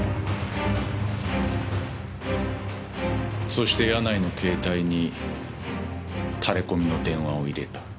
そして柳井の携帯にタレコミの電話を入れた。